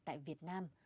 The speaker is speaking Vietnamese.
tại việt nam